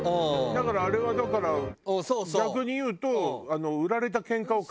あれはだから逆に言うと。